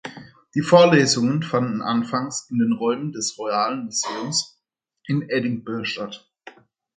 Die Vorlesungen fanden anfangs in den Räumen des Royal Museums in Edinburgh statt.